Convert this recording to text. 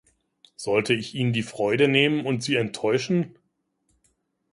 Sollte ich ihnen die Freude nehmen und sie enttäuschen?